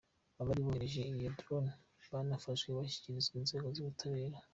Abari bohereje iyo drone barafashwe bashyikirizwa inzego z’ ubutabera.